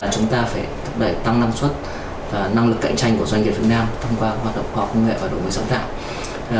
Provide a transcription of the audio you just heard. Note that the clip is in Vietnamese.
chúng ta phải thúc đẩy tăng năng suất và năng lực cạnh tranh của doanh nghiệp việt nam thông qua hoạt động khoa học công nghệ và đổi mới sáng tạo